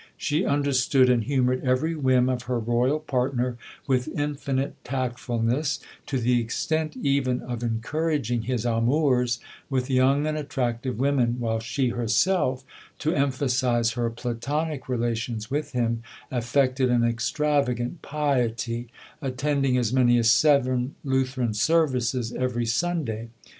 She understood and humoured every whim of her Royal partner with infinite tactfulness, to the extent even of encouraging his amours with young and attractive women, while she herself, to emphasise her platonic relations with him, affected an extravagant piety, attending as many as seven Lutheran services every Sunday.